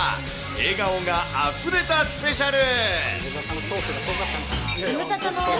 笑顔があふれたスペシャル。